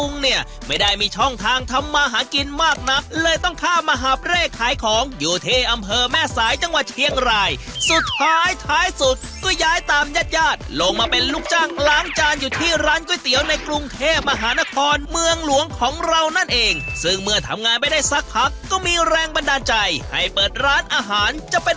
เนี่ยไม่ได้มีช่องทางทำมาหากินมากนักเลยต้องข้ามมหาบเร่ขายของอยู่ที่อำเภอแม่สายจังหวัดเชียงรายสุดท้ายท้ายสุดก็ย้ายตามญาติญาติลงมาเป็นลูกจ้างล้างจานอยู่ที่ร้านก๋วยเตี๋ยวในกรุงเทพมหานครเมืองหลวงของเรานั่นเองซึ่งเมื่อทำงานไม่ได้สักพักก็มีแรงบันดาลใจให้เปิดร้านอาหารจะเป็น